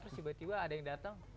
terus tiba tiba ada yang datang